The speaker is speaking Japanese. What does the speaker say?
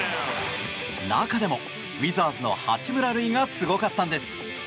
中でもウィザーズの八村塁がすごかったんです。